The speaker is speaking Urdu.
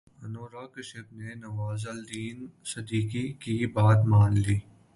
انوراگ کشیپ نے نوازالدین صدیقی کی بات مان لی